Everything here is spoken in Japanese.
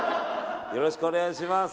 よろしくお願いします。